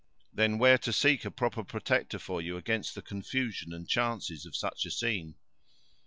Then where to seek a proper protector for you against the confusion and chances of such a scene?"